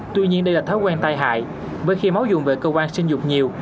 tuy nhiên đây là thói quen tai hại bởi khi máu dùng về cơ quan sinh dục nhiều